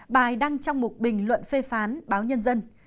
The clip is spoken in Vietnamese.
bài đăng trong một bình luận phê phán báo nhân dân